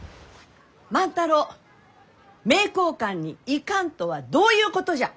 万太郎名教館に行かんとはどういうことじゃ！？